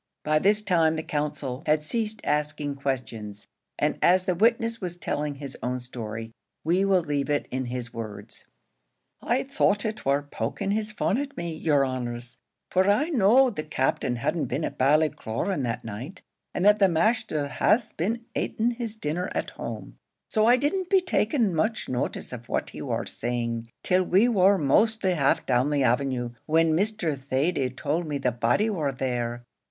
By this time the counsel had ceased asking questions, and as the witness was telling his own story, we will leave it in his words. "I thought it war poking his fun at me, yer honours for I knowed the Captain hadn't been at Ballycloran that night, and that the masther had been ating his dinner at home, so I didn't be taking much notice of what he war saying, till we war mostly half down the avenue, when Mr. Thady told me the body war there.